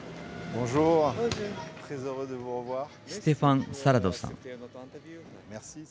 ステファン・サラドさん。